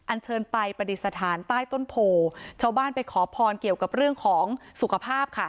เชิญไปปฏิสถานใต้ต้นโพชาวบ้านไปขอพรเกี่ยวกับเรื่องของสุขภาพค่ะ